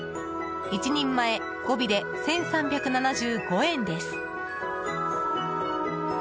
１人前５尾で１３７５円です。